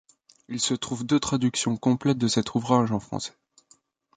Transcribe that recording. Il se trouve deux traduction complètes de cet ouvrage en français.